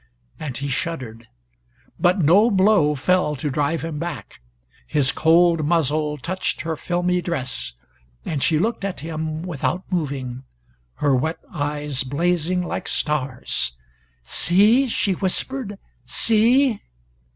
and he shuddered. But no blow fell to drive him back. His cold muzzle touched her filmy dress, and she looked at him, without moving, her wet eyes blazing like stars. "See!" she whispered. "See!"